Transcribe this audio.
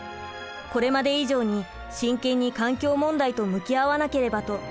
これまで以上に真剣に環境問題と向き合わなければと考えました。